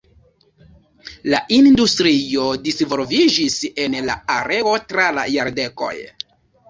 La industrio disvolviĝis en la areo tra la jardekoj.